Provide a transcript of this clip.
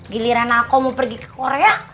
giliran aku mau pergi ke korea